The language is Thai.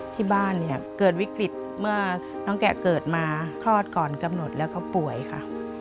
ที่บ้านเนี่ยเกิดวิกฤตเมื่อน้องแกะเกิดมาคลอดก่อนกำหนดแล้วก็ป่วยค่ะ